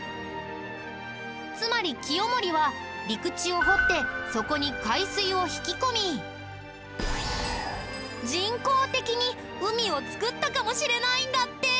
つまり清盛は陸地を掘ってそこに海水を引き込み人工的に海を作ったかもしれないんだって！